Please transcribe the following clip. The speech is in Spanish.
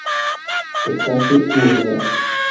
Takashi Uemura